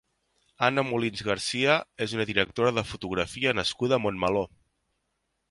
Anna Molins Garcia és una directora de fotografia nascuda a Montmeló.